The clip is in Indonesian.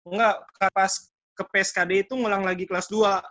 enggak pas ke pskd itu ngulang lagi kelas dua